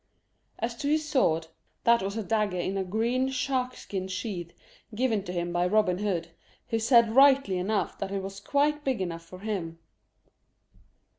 As to his sword, that was a dagger in a green shark skin sheath given to him by Robin Hood, who said rightly enough that it was quite big enough for him.